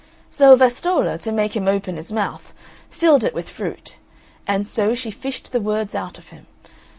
So Vastolla, to make him open his mouth, filled it with fruit; and so she fished the words out of him.